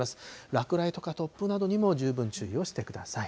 落雷とか突風などにも十分注意をしてください。